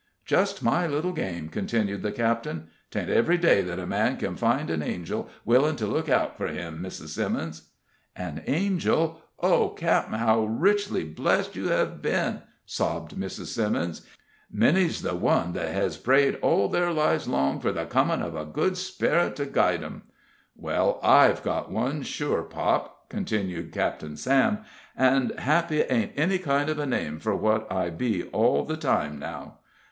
"Just my little game," continued the captain. "'Tain't ev'ry day that a man ken find an angel willin' to look out fur him, Mrs. Simmons." "An angel! Oh, cap'en, how richly blessed you hev been!" sobbed Mrs. Simmons. "Many's the one that hez prayed all their lives long for the comin' of a good sperrit to guide 'em." "Well, I've got one, sure pop," continued Captain Sam; "and happy ain't any kind of a name fur what I be all the time now."